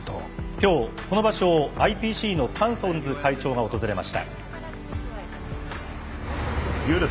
きょう、この場所をＩＰＣのパーソンズ会長が訪れました。